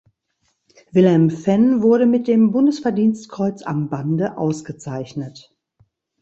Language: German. Wilhelm Venn wurde mit dem Bundesverdienstkreuz am Bande ausgezeichnet.